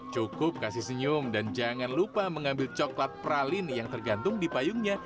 cukup kasih senyum dan jangan lupa mengambil coklat pralin yang tergantung di payungnya